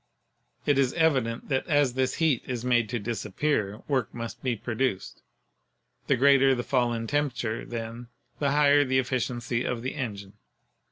It is evident that as this heat is made to disappear, work must be produced. The greater the fall in temperature, then, the higher the efficiency of the engine.